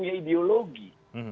yang punya ideologi